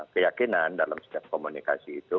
keyakinan dalam setiap komunikasi itu